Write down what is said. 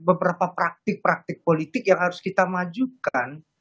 ada beberapa praktek praktek politik yang harus kita majukan